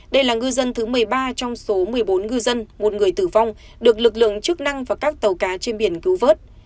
đây là ngư dân thứ một mươi ba trong số một mươi bốn ngư dân một người tử vong được lực lượng chức năng và các tàu cá trên biển cứu vớt